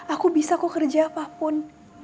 aku bisa kekerja apapun